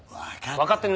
分かってる。